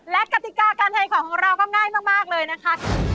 และกติกาการเทของของเราก็ง่ายมากเลยนะคะ